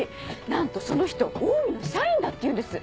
なんとその人オウミの社員だっていうんです。